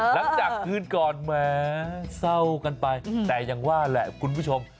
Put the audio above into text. หลังจากคืนก่อนแหมเศร้ากันไปแต่อย่างว่าแหละคุณผู้ชม